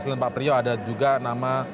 selain pak priyo ada juga nama